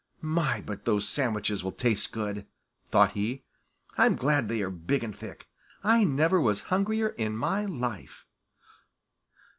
"My, but those sandwiches will taste good," thought he. "I'm glad they are big and thick. I never was hungrier in my life.